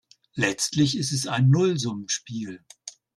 Letztlich ist es ein Nullsummenspiel.